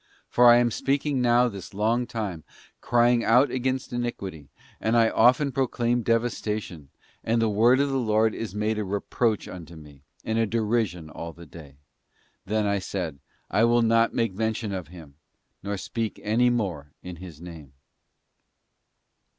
For I am speaking now this long time, crying out against iniquity, and I often pro claim devastation; and the word of the Lord is made a reproach unto me, and a derision all the day. Then I said: T will not make mention of Him, nor speak any more in His name.